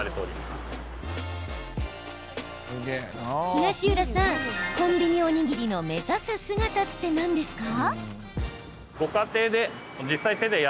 東浦さん、コンビニおにぎりの目指す姿って何ですか？